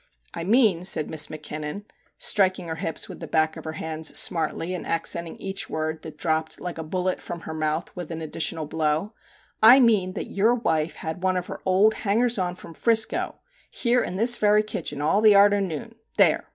* I mean/ said Miss Mackinnon, striking 54 MR. JACK HAMLIN'S MEDIATION her hips with the back of her hands smartly, and accenting each word that dropped like a bullet from her mouth with an additional blow. 1 mean that your wife had one of her old hangers on from Frisco here in this very kitchen all the arter noon ; there